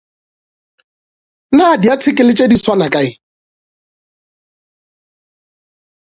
Na diathekele tše di swana kae?